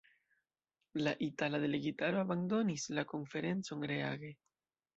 La itala delegitaro abandonis la konferencon reage.